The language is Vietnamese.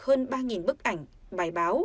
hơn ba bức ảnh bài báo